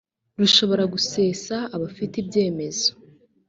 rushobora gusesa abafite ibyemezo